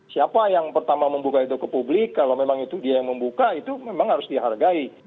siapa yang pertama membuka itu ke publik kalau memang itu dia yang membuka itu memang harus dihargai